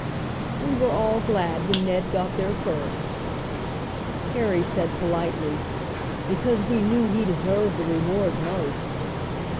"We were all glad when Ned got there first," Harry said politely, "because we knew he deserved the reward most."